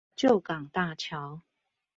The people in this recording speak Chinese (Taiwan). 舊港大橋